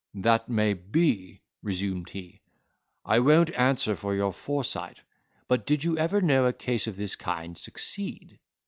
"That may be," resumed he; "I won't answer for your foresight, but did you ever know a case of this kind succeed?"